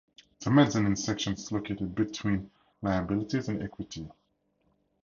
The Mezzanine section is located between liabilities and equity.